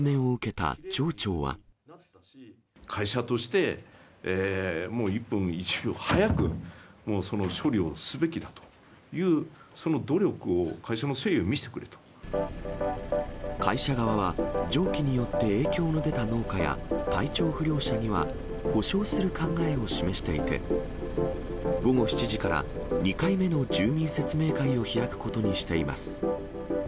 会社として、もう１分１秒早く、もうその処理をすべきだという、その努力を、会社の誠意を見せて会社側は、蒸気によって影響の出た農家や、体調不良者には、補償する考えを示していて、午後７時から２回目の住民説明会を開くことにしています。